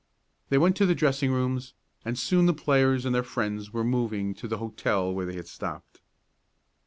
They went to the dressing rooms, and soon the players and their friends were moving to the hotel where they had stopped.